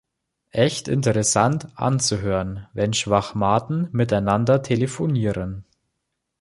Echt interessant anzuhören, wenn Schwachmaten miteinander telefonieren.